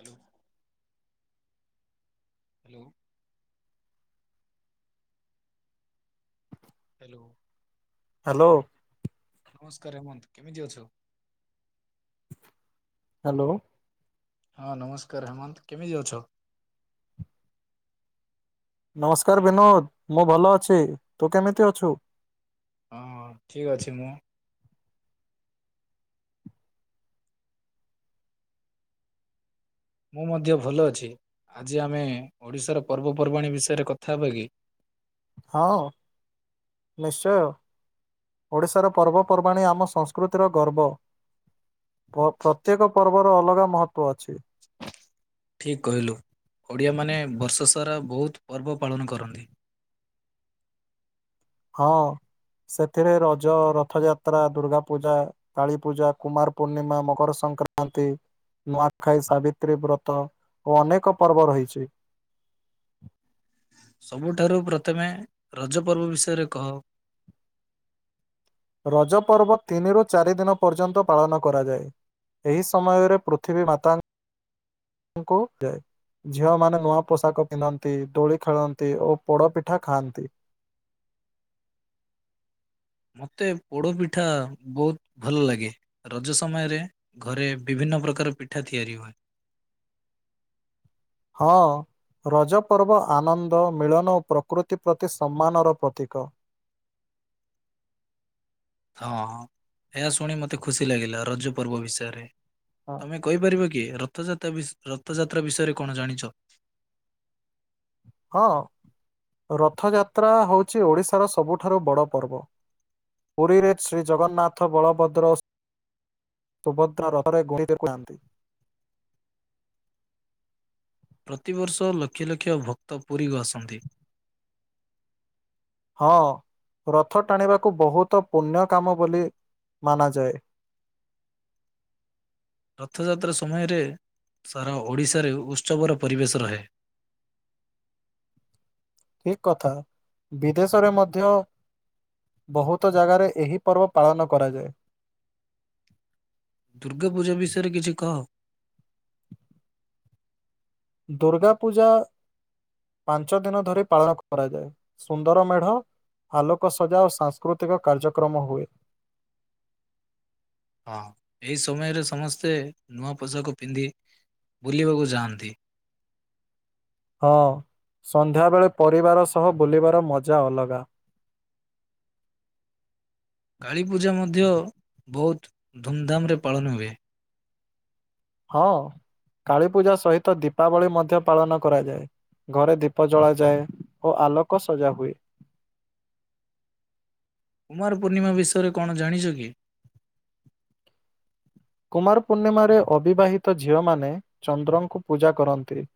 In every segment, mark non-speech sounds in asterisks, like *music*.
Hello, hello, hello hello ନମସ୍କାର ହେମନ୍ତ୍। କେମିତି ଅଛ? ହାଲୋ, ହଁ ନମସ୍କାର ହେମନ୍ତ। କେମିତି ଅଛ? ନମସ୍କାର ବିନୋଦ। ମୁଁ ଭଲ ଅଛି, ତୁ କେମିତି ଅଛୁ? ହଁ ଠିକ୍ ଅଛି ମୁଁ। ମୁଁ ମଧ୍ୟ ଭଲ ଅଛି। ଆଜି ଆମେ ଓଡ଼ିଶାର ପର୍ବପର୍ବାଣିୀ ବିଷୟରେ କଥା ହେବାକି? ହଁ, ନିଶ୍ଚୟ। ଓଡ଼ିଶାର ପର୍ବପର୍ବାଣି ଆମ ସଂସ୍କୃତିର ଗର୍ବ। ପ ପ୍ରତ୍ୟେକ ପର୍ବର ଅଲଗା ମହତ୍ଵ ଅଛି। ଠିକ୍ କହିଲୁ, ଓଡ଼ିଆମାନେ ବର୍ଷ ସାରା ବହୁତ ପର୍ବ ପାଳନ କରନ୍ତି। ହଁ ସେଥିରେ ରଜ, ରଥଯାତ୍ରା, ଦୁର୍ଗା ପୂଜା କାଳୀ ପୂଜା, କୁମାର ପୂର୍ଣ୍ଣିମା, ମକର ସଂକ୍ରାନ୍ତି ନୂଆଖାଇ, ସାବିତ୍ରୀ ବ୍ରତ ଓ ଅନେକ ପର୍ବ ରହିଛି। ସବୁଠାରୁ ପ୍ରଥମେ ରଜ ପର୍ବ ବିଷୟରେ କହ? ରଜ ପର୍ବ ତିନିରୁ ଚାରି ଦିନ ପର୍ଯ୍ୟନ୍ତ ପାଳନ କରାଯାଏ। ଏହି ସମୟରେ ପୃଥିବୀ ମାତା *inaudible* ଙ୍କୁ ଯାଏ। ଝିଅମାନେ ନୂଆ ପୋଷାକ ପିନ୍ଧନ୍ତି, ଦୋଳି ଖେଳନ୍ତି ଓ ପୋଡ଼ପିଠା ଖାଆନ୍ତି। ମୋତେ ପୋଡପିଠା ବହୁତ ଭଲ ଲାଗେ। ରଜ ସମୟରେ ଘରେ ବିଭିନ୍ନ ପ୍ରକାର ପିଠା ତିଆରି ହୁଏ। ହଁ ରଜପର୍ବ ଆନନ୍ଦ, ମିଳନ ଓ ପ୍ରକୃତି ପ୍ରତି ସମ୍ମାନର ପ୍ରତୀକ। ହଁ ଏହା ଶୁଣି ମତେ ଖୁସି ଲାଗିଲା! ରଜ ପର୍ବ ବିଷୟରେ। ହଁ ତମେ କହିପାରିବ କି ରଥଯାତ୍ରା ବିଷ ରଥଯାତ୍ରା ବିଷୟରେ କଣ ଜାଣିଛ? ହଁ ରଥଯାତ୍ରା ହଉଛି ଓଡିଶାର ସବୁଠାରୁ ବଡ ପର୍ବ। ପୁରୀରେ ଶ୍ରୀ ଜଗନ୍ନାଥ, ବଳଭଦ୍ର ସୁଭଦ୍ରା ରଥରେ *inaudible* ଦେଖୁ ନାହାନ୍ତି ପ୍ରତିବର୍ଷ ଲକ୍ଷ ଲକ୍ଷ ଭକ୍ତ ପୁରୀକୁ ଆସନ୍ତି। ହଁ ରଥ ଟାଣିବାକୁ ବହୁତ ପୁଣ୍ୟ କାମ ବୋଲି ମାନାଯାଏ। ରଥଯାତ୍ରା ସମୟରେ ସାରା ଓଡ଼ିଶାରେ ଉତ୍ସବର ପରିବେଶ ରହେ। ଠିକ କଥା ବିଦେଶରେ ମଧ୍ୟ ବହୁତ ଜାଗାରେ ଏହି ପର୍ବ ପାଳନ କରାଯାଏ। ଦୁର୍ଗା ପୂଜା ବିଷୟରେ କିଛି କହ? ଦୁର୍ଗା ପୂଜା ପାଞ୍ଚ ଦିନ ଧରି ପାଳନ କରାଯାଏ ସୁନ୍ଦର ମେଢ଼ ଆଲୋକ ସଜା ଓ ସାଂସ୍କୃତିକ କାର୍ଯ୍ୟକ୍ରମ ହୁଏ। ହାଁ, ଏହି ସମୟରେ ସମସ୍ତେ ନୂଆ ପୋଷାକ ପିନ୍ଧି ବୁଲିବାକୁ ଯାଆନ୍ତି। ହଁ, ସନ୍ଧ୍ୟାବେଳେ ପରିବାର ସହ ବୁଲିବାର ମଜା ଅଲଗା, କାଳୀପୂଜା ମଧ୍ୟ ବହୁତ ଧୁମଧାମରେ ପାଳନ ହୁଏ। ହଁ କାଳୀ ପୂଜା ସହିତ ଦୀପାବଳି ମଧ୍ୟ ପାଳନ କରାଯାଏ। ଘରେ ଦୀପ ଜଳାଯାଏ ଓ ଆଲୋକ ସଜା ହୁଏ। କୁମାର ପୂର୍ଣ୍ଣିମା ବିଷୟରେ କଣ ଜାଣିଛୁ କି? କୁମାର ପୂର୍ଣ୍ଣିମାରେ ଅବିବାହିତ ଝିଅମାନେ ଚନ୍ଦ୍ରଙ୍କୁ ପୂଜା କରନ୍ତି।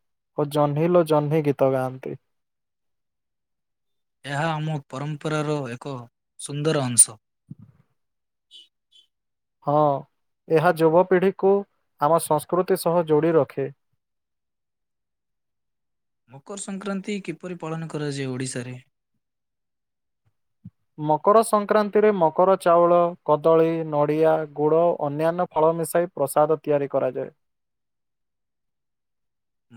ଓ ଜହ୍ନି ଲୋ ଜହ୍ନି ଗୀତ ଗାଆନ୍ତି। ଏହା ଆମ ପରମ୍ପରାର ଏକ ସୁନ୍ଦର ଅଂଶ। ହଁ ଏହା ଯୁବପିଢ଼ିକୁ ଆମ ସଂସ୍କୃତି ସହ ଯୋଡ଼ି ରଖେ। ମକର ସଂକ୍ରାନ୍ତି କିପରି ପାଳନ କରାଯାଏ ଓଡ଼ିଶାରେ? ମକର ସଂକ୍ରାନ୍ତିରେ ମକର ଚାଉଳ କଦଳୀ ନଡ଼ିଆ ଗୁଡ଼ ଅନ୍ୟାନ୍ୟ ଫଳ ମିଶାଇ ପ୍ରସାଦ ତିଆରି କରାଯାଏ।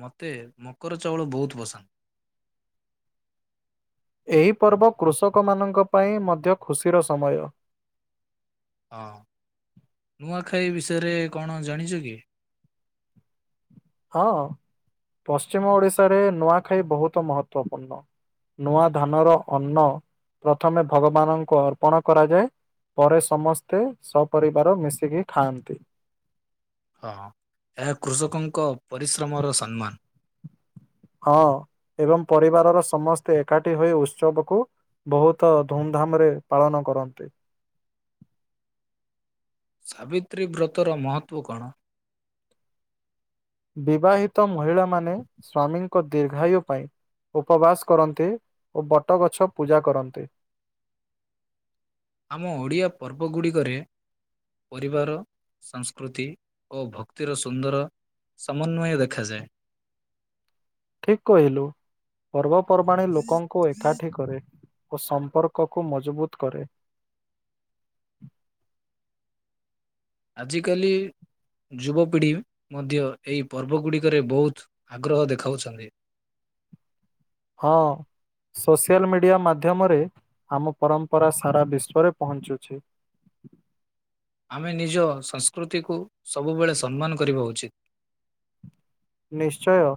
ମତେ ମକର ଚାଉଳ ବହୁତ୍ ପସନ୍ଦ। ଏହି ପର୍ବ କୃଷକମାନଙ୍କ ପାଇଁ ମଧ୍ୟ ଖୁସିର ସମୟ। ହଁ ନୂଆଖାଇ ବିଷୟରେ କଣ ଜାଣିଛ କି? ହଁ ପଶ୍ଚିମ ଓଡିଶାରେ ନୂଆଖାଇ ବହୁତ୍ ମହତ୍ଵପୂର୍ଣ୍ଣ। ନୂଆ ଧନର ଅନ୍ନ ପ୍ରଥମେ ଭଗବାନଙ୍କୁ ଅର୍ପଣ କରାଯାଏ। ପରେ ସମସ୍ତେ ସପରିବାର ମିଶିକି ଖାଆନ୍ତି। ହଁ ହଁ ଏହା କୃଷକଙ୍କ ପରିଶ୍ରମର ସମ୍ମାନ। ହଁ ଏବଂ ପରିବାରର ସମସ୍ତେ ଏକାଠି ହୋଇ ଉତ୍ସବକୁ ବହୁତ ଧୁମଧାମ ରେ ପାଳନ କରନ୍ତି। ସାବିତ୍ରୀ ବ୍ରତର ମହତ୍ବ କଣ? ବିବାହିତ ମହିଳାମାନେ ସ୍ଵାମୀ ଏକ ଦୀର୍ଘାୟୁ ପାଇଁ ଉପବାସ କରନ୍ତି ଓ ବଟଗଛ ପୂଜା କରନ୍ତି। ଆମ ଓଡ଼ିଆ ପର୍ବ ଗୁଡ଼ିକରେ ପରିବାର ସଂସ୍କୃତି ଓ ଭକ୍ତିର ସୁନ୍ଦର ସମନ୍ୱୟ ଦେଖାଯାଏ। ଠିକ୍ କହିଲୁ ପର୍ବପର୍ବାଣିୀ ଲୋକଙ୍କୁ ଏକାଠି କରେ। ଓ ସମ୍ପର୍କକୁୁ ମଜବୁତ୍ କରେ। ଆଜି କାଲି ଯୁବପିଢ଼ି ମଧ୍ୟ ଏହି ପର୍ବ ଗୁଡ଼ିକରେ ବହୁତ୍ ଆଗ୍ରହ ଦେଖାଉଛନ୍ତି। ହଁ। ସୋସିଆଲ ମିଡ଼ିଆ ମାଧ୍ୟମରେ ଆମ ପରମ୍ପରା ସାରା ବିଶ୍ଵରେ ପହଞ୍ଚୁଛି। ଆମେ ନିଜ ସଂସ୍କୃତିକୁ ସବୁବେଳେ ସମ୍ମାନ କରିବା ଉଚିତ୍। ନିଶ୍ଚୟ।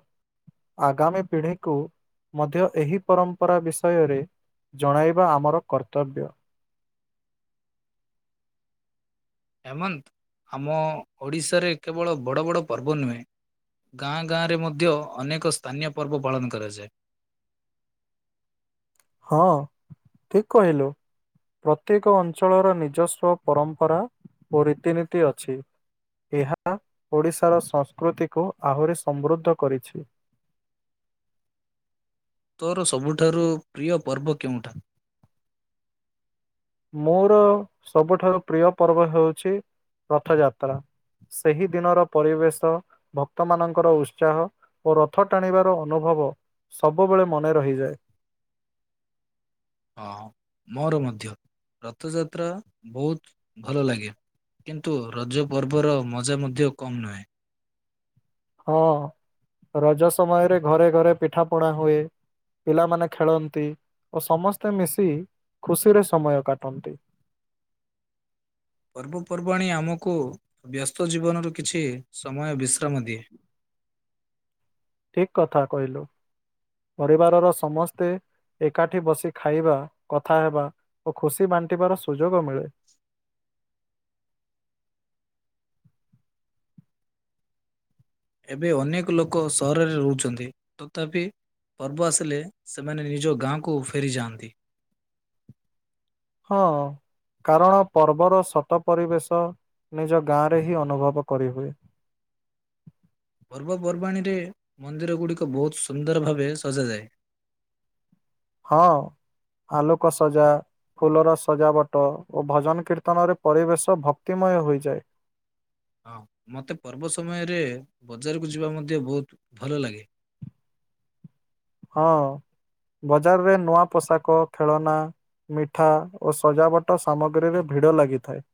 ଆଗାମୀ ପିଢ଼ିକୁ ମଧ୍ୟ ଏହି ପରମ୍ପରା ବିଷୟରେ ଜଣାଇବା ଆମର କର୍ତ୍ତବ୍ୟ। ଏମନ୍ତ ଆମ ଓଡ଼ିଶାରେ କେବଳ ବଡ଼ ବଡ଼ ପର୍ବ ନୁହେଁ ଗାଁ ଗାଁରେ ମଧ୍ୟ ଅନେକ ସ୍ଥାନୀୟ ପର୍ବ ପାଳନ କରାଯାଏ। ହଁ ଠିକ୍ କହିଲୁ। ପ୍ରତ୍ୟେକ ଅଞ୍ଚଳର ନିଜସ୍ୱ ପରମ୍ପରା ଓ ରୀତିନୀତି ଅଛି। ଏହା ଓଡ଼ିଶାର ସଂସ୍କୃତିକୁ ଆହୁରି ସମୃଦ୍ଧ କରିଛି। ତୋର ସବୁଠାରୁ ପ୍ରିୟ ପର୍ବ କେଉଁଟା? ମୋର ସବୁଠାରୁ ପ୍ରିୟ ପର୍ବ ହେଉଛି ରଥଯାତ୍ରା। ସେହି ଦିନର ପରିବେଶ ଭକ୍ତମାନାନଙ୍କର ଉତ୍ସାହ ଓ ରଥ ଟାଣିବାର ଅନୁଭବ ସବୁବେଳେ ମନେ ରହିଯାଏ। ହଁ ମୋର ମଧ୍ୟ ରଥଯାତ୍ରା ବହୁତ୍ ଭଲ ଲାଗେ। କିନ୍ତୁ ରଜ ପର୍ବ ର ମଜା ମଧ୍ୟ କମ୍ ନୁହେଁ। ହଁ ରଜ ସମୟରେ ଘରେ ଘରେ ପିଠା ପଣା ହୁଏ। ପିଲାମାନେ ଖେଳନ୍ତି ଓ ସମସ୍ତେ ମିଶି ଖୁସିରେ ସମୟ କାଟନ୍ତି। ପର୍ବପର୍ବାଣି ଆମକୁ ବ୍ୟସ୍ତ ଜୀବନରୁ କିଛି ସମୟ ବିଶ୍ରାମ ଦିଏ। ଠିକ୍ କଥା କହିଲୁ ପରିବାରର ସମସ୍ତେ ଏକାଠି ବସି ଖାଇବା କଥା ହେବା ଓ ଖୁସି ବାଣ୍ଟିବାର ସୁଯୋଗ ମିଳେ। ଏବେ ଅନେକ ଲୋକ ସହରରେ ରହୁଛନ୍ତି ତଥାପି ପର୍ବ ଆସିଲେ ସେମାନେ ନିଜ ଗାଁକୁ ଫେରିଯାଆନ୍ତି। ହଁ। କାରଣ ପର୍ବର ସତ ପରିବେଶ ନିଜ ଗାଁରେ ହିଁ ଅନୁଭବ କରିହୁଏ। ପର୍ବପର୍ବାଣୀରେ ମନ୍ଦିର ଗୁଡିକ ବହୁତ ସୁନ୍ଦର ଭାବେ ସଜାଯାଏ। ହଁ ଆଲୋକ ସଜା ଫୁଲର ସଜାବଟ ଓ ଭଜନ କୀର୍ତ୍ତନରେ ପରିବେଶ ଭକ୍ତିମୟ ହୋଇଯାଏ। ହଁ ମୋତେ ପର୍ବ ସମୟରେ ବଜାରକୁ ଯିବା ମଧ୍ୟ ବହୁତ ଭଲ ଲାଗେ। ହଁ ବଜାରରେ ନୂଆ ପୋଷାକ ଖେଳନା ମିଠା ଓ ସଜାବଟ ସାମଗ୍ରୀରେ ଭିଡ଼ ଲାଗିଥାଏ।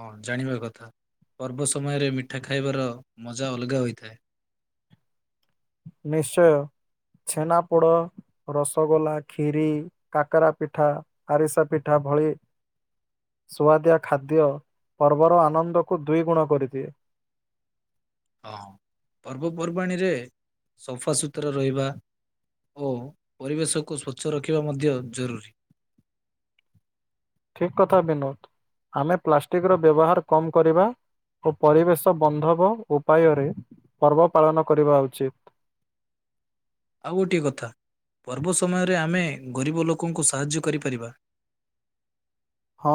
ହଁ ଜାଣିବା କଥା ପର୍ବ ସମୟରେ ମିଠା ଖାଇବାର ମଜା ଅଲଗା ହୋଇଥାଏ। ନିଶ୍ଚୟ ଛେନା ପୋଡ ରସଗୋଲା ଖିରି କାକରା ପିଠା ଆରିସା ପିଠା ଭଳି ସୁଆଦିଆ ଖାଦ୍ୟ ପର୍ବର ଆନନ୍ଦକୁ ଦୁଇ ଗୁଣ କରିଦିଏ। ହଁ ପର୍ବପର୍ବାଣିୀରେ ସଫା ସୁୁତୁରା ରହିବା ଓ ପରିବେଶକୁ ସ୍ୱଚ୍ଛ ରଖିବା ମଧ୍ୟ ଜରୁରୀ। ଠିକ କଥା ବିନୋଦ ଆମେ ପ୍ଲାଷ୍ଟିକ ର ବ୍ୟବହାର କମ କରିବା ଓ ପରିବେଶ ବନ୍ଧବ ଉପାୟରେ ପର୍ବ ପାଳନ କରିବା ଉଚିତ। ଆଉ ଗୋଟିଏ କଥା ପର୍ବ ସମୟରେ ଆମେ ଗରିବ ଲୋକଙ୍କୁ ସାହାଯ୍ୟ କରିପାରିବା। ହଁ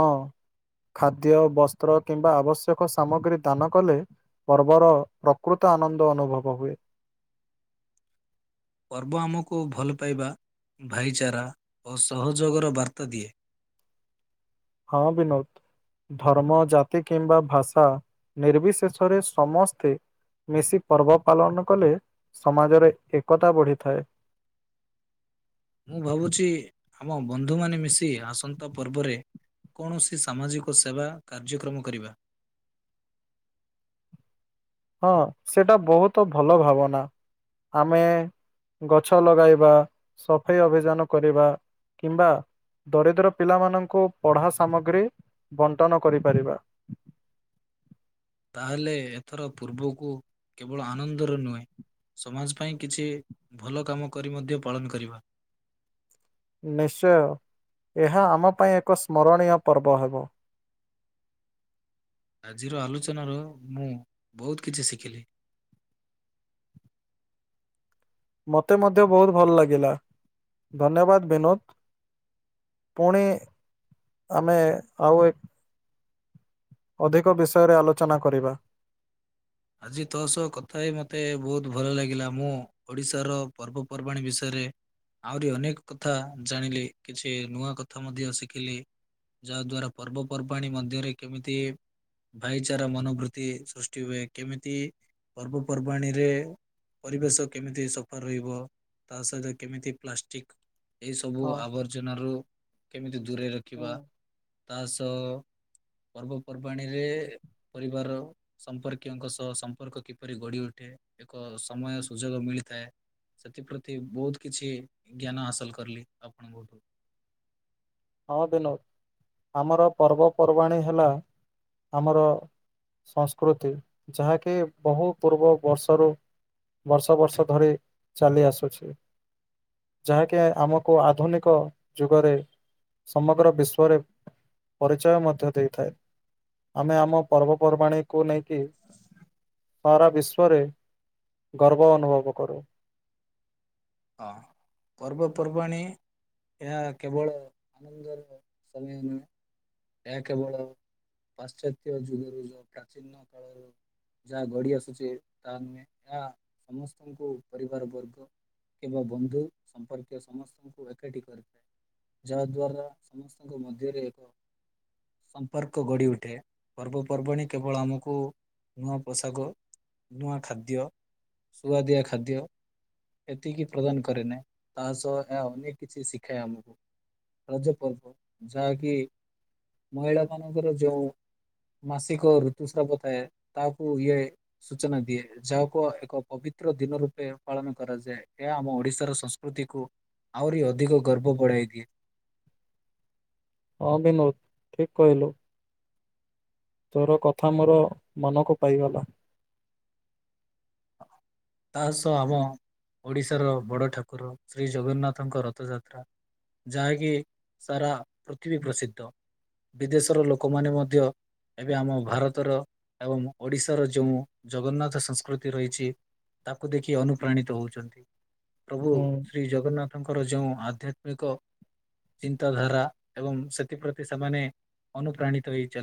ଖାଦ୍ୟ ବସ୍ତ୍ର କିମ୍ବା ଆବଶ୍ୟକ ସାମଗ୍ରୀ ଦାନ କଲେ ପର୍ବର ପ୍ରକୃତ ଆନନ୍ଦ ଅନୁଭବ ହୁଏ। ପର୍ବ ଆମକୁ ଭଲ ପାଇବା ଭାଇଚାରା ଓ ସହଯୋଗର ବାର୍ତ୍ତା ଦିଏ। ହଁ ବିନୋଦ ଧର୍ମ ଜାତି କିମ୍ବା ଭାଷା ନିର୍ବିଶେଷରେ ସମସ୍ତେ ମିଶି ପର୍ବ ପାଳନ କଲେ ସମାଜରେ ଏକତା ବଢ଼ିଥାଏ। ମୁଁ ଭାବୁଛି ଆମ ବନ୍ଧୁମାନେ ମିଶି ଆସନ୍ତା ପର୍ବରେ କୌଣସି ସାମାଜିକ ସେବା କାର୍ଯ୍ୟକ୍ରମ କରିବା। ହଁ ସେଇଟା ବହୁତ ଭଲ ଭାବନା ଆମେ ଗଛ ଲଗାଇବା ସଫେଇ ଅଭିଯାନ କରିବା କିମ୍ବା ଦରିଦ୍ର ପିଲାମାନଙ୍କୁ ପଢ଼ା ସାମଗ୍ରୀ ବଣ୍ଟନ କରିପାରିବା। ତାହେଲେ ଏଥର ପୂର୍ବକୁ କେବଳ ଆନନ୍ଦରେ ନୁହେଁ ସମାଜ ପାଇଁ କିଛି ଭଲ କାମ କରି ମଧ୍ୟ ପାଳନ କରିବା। ନିଶ୍ଚୟ ଏହା ଆମ ପାଇଁ ଏକ ସ୍ମରଣୀୟ ପର୍ବ ହେବ। ଆଜିର ଆଲୋଚନାର ମୁଁ ବହୁତ କିଛି ଶିଖିଲି। ମତେ ମଧ୍ୟ ବହୁତ ଭଲ ଲାଗିଲା ଧନ୍ୟବାଦ ବିନୋଦ। ପୁଣି ଆମେ ଆଉ ଏକ ଅଧିକ ବିଷୟରେ ଆଲୋଚନା କରିବା। ଆଜି ତୋ ସହ କଥା ହେଇ ମୋତେ ବହୁତ ଭଲ ଲାଗିଲା ମୁଁ ଓଡ଼ିଶାର ପର୍ବପର୍ବାଣିୀ ବିଷୟରେ ଆହୁରି ଅନେକ କଥା ଜାଣିଲି କିଛି ନୂଆ କଥା ମଧ୍ୟ ଶିଖିଲି ଯାହା ଦ୍ୱାରା ପର୍ବପର୍ବାଣିୀ ମଧ୍ୟରେ କେମିତି ଭାଇଚାରା ମନୋବୃତ୍ତି ସୃଷ୍ଟି ହୁଏ କେମିତି ପର୍ବପର୍ବାଣିୀରେ ପରିବେଶ କେମିତି ସଫା ରହିବ ତା ସହିତ କେମିତି ପ୍ଲାଷ୍ଟିକ ଏଇ ସବୁ ହଁ। ଆବର୍ଜନା ରୁ କେମିତି ଦୂରେଇ ରଖିବା ହୁଁ ତା ସହ ପର୍ବପର୍ବାଣିୀରେ ପରିବାର ସମ୍ପର୍କ ଙ୍କ ସହ ସମ୍ପର୍କ କିପରି ଗଢି ଉଠେ ଏକ ସମୟ ସୁଯୋଗ ମିଳିଥାଏ। ସେଥିପ୍ରତି ବହୁତ କିଛି ଜ୍ଞାନ ହାସଲ କଲି ଆପଣଙ୍କୋଠୁ। ହଁ ବିନୋଦ ଆମର ପର୍ବପର୍ବାଣିୀ ହେଲା ଆମର ସଂସ୍କୃତି ଯାହାକି ବହୁ ପୂର୍ବ ବର୍ଷରୁ ବର୍ଷ ବର୍ଷ ଧରି ଚାଲି ଆସୁଛି। ଯାହାକି ଆମକୁ ଆଧୁନିକ ଯୁଗରେ ସମଗ୍ର ବିଶ୍ଵରେ ପରିଚୟ ମଧ୍ୟ ଦେଇଥାଏ। ଆମେ ଆମ ପର୍ବପର୍ବାଣୀକୁୁ ନେଇକି ସାରା ବିଶ୍ୱରେ ଗର୍ବ ଅନୁଭବ କରେ ହଁ ପର୍ବପର୍ବାଣି ଏହା କେବଳ ଆନନ୍ଦର ସମୟ ନୁହେଁ। ଏହା କେବଳ ପାଶ୍ଚାତ୍ୟ ଯୁଗରୁ ଯୋଉ ପ୍ରାଚୀନ କାଳରେ। ଯାହା ଗଡି ଆସୁଛି ତାହା ନୁହେଁ ଏହା ସମସ୍ତଙ୍କୁ ପରିବାର ବର୍ଗ କିମ୍ବା ବନ୍ଧୁ ସମ୍ପର୍କୀୟ ସମସ୍ତଙ୍କୁ ଏକାଠି କରିଥାଏ। ଯାହା ଦ୍ୱାରା ସମସ୍ତଙ୍କ ମଧ୍ୟରେ ଏକ ସମ୍ପର୍କ ଗଢ଼ି ଉଠେ ପର୍ବପର୍ବାଣିୀ କେବଳ ଆମକୁ ନୂଆ ପୋଷାକ ନୂଆ ଖାଦ୍ୟ ସୁୁଆଦିଆ ଖାଦ୍ୟ ଏତିକି ପ୍ରଦାନ କରେ ନାହିଁ ତା ସହ ଏହା ଅନେକ କିଛି ଶିଖାଏ ଆମକୁ। ରଜ ପର୍ବ ଯାହାକି ମହିଳା ମାନଙ୍କର ଯୋଉ ମାସିକ ଋତୁସ୍ରାବ ଥାଏ ତାକୁ ଇଏ ସୂଚନା ଦିଏ ଯାହାକୁ ଏକ ପବିତ୍ର ଦିନ ରୂପେ ପାଳନ କରାଯାଏ ଏହା ଆମ ଓଡିଶାର ସଂସ୍ ପ୍ରକୃତିକୁ ଆହୁରି ଅଧିକ ଗର୍ବ ବଢାଇ ଦିଏ। ହଁ ବିନୋଦ ଠିକ କହିଲୁ। ତୋର କଥା ମୋର ମନକୁ ପାଇଗଲା। ତା ସହ ଆମ ଓଡିଶାର ବଡ ଠାକୁର ଶ୍ରୀ ଜଗନ୍ନାଥଙ୍କ ରଥଯାତ୍ରା ଯାହାକି ସାରା ପୃଥିବୀ ପ୍ରସିଦ୍ଧ। ବିଦେଶର ଲୋକମାନେ ମଧ୍ୟ ଏବେ ଆମ ଭାରତର ଏବଂ ଓଡିଶାର ଯୋଉ ଜଗନ୍ନାଥ ସଂସ୍କୃତି ରହିଛି ତାକୁ ଦେଖି ଅନୁପ୍ରାଣିତ ହଉଛନ୍ତି ପ୍ରଭୁ ହୁଁ। ଶ୍ରୀ ଜଗନ୍ନାଥଙ୍କର ଯୋଉଁ ଆଧ୍ୟାତ୍ମିକ ଚିନ୍ତାଧାରା ଏବଂ ସେଥିପ୍ରତି ସେମାନେ ଅନୁପ୍ରାଣିତ ହେଇ ଚାଲି